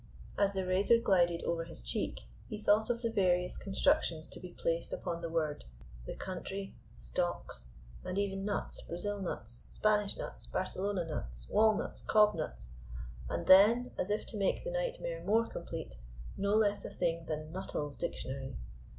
As the razor glided over his cheek he thought of the various constructions to be placed upon the word the Country Stocks and even nuts Brazil nuts, Spanish nuts, Barcelona nuts, walnuts, cob nuts and then, as if to make the nightmare more complete, no less a thing than Nutall's Dictionary.